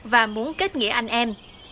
và muốn kết nghĩa anh em